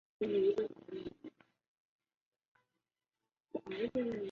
鼠掌老鹳草为牻牛儿苗科老鹳草属的植物。